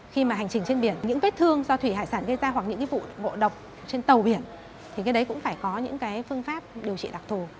khi mà hành trình trên biển những vết thương do thủy hải sản gây ra hoặc những vụ ngộ độc trên tàu biển thì cái đấy cũng phải có những cái phương pháp điều trị đặc thù